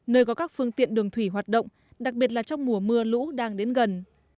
nơi có các phương tiện đường thủy hoạt động đặc biệt là trong mùa mưa lũ đang đến gần